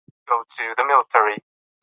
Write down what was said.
هلمند د انارو او پنبې د تولید لپاره مشهور دی.